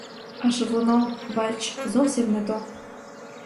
Аж воно, бач, зовсім не то.